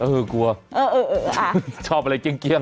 เอ่อที่คุณชอบเกี้ยง